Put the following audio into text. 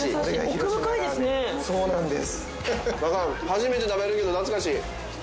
そうなんです。